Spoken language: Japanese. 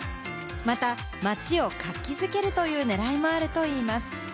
また街を活気付けるという狙いもあるといいます。